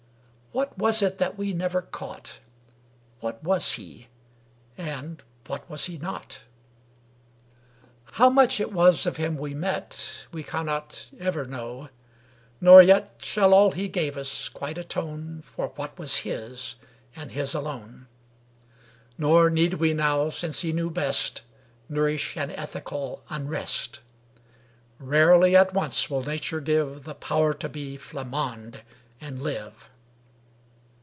What was it that we never caught? What was he, and what was he not? How much it was of him we met We cannot ever know; nor yet Shall all he gave us quite attone For what was his, and his alone; Nor need we now, since he knew best, Nourish an ethical unrest: Rarely at once will nature give The power to be Flammonde and live.